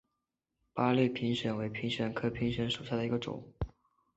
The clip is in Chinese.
八列平藓为平藓科平藓属下的一个种。